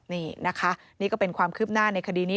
นี่นะคะนี่ก็เป็นความคืบหน้าในคดีนี้